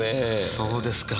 そうですか。